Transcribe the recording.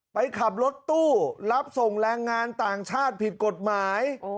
ไปขับรถตู้รับส่งแรงงานต่างชาติผิดกฎหมาย